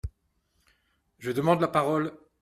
Je demande la parole